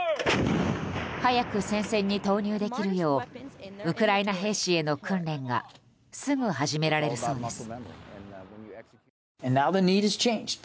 早く戦線に投入できるようウクライナ兵士への訓練がすぐ始められるそうです。